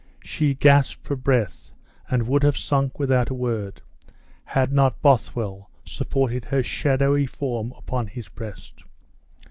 She gasped for breath, and would have sunk without a word, had not Bothwell supported her shadowy form upon his breast.